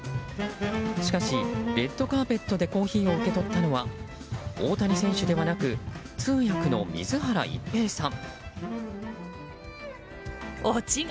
しかし、レッドカーペットでコーヒーを受け取ったのは大谷選手ではなく通訳の水原一平さん。